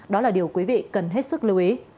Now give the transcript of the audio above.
đó là điều quý vị cần hết sức lưu ý